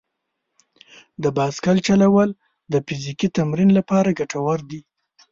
د بایسکل چلول د فزیکي تمرین لپاره ګټور دي.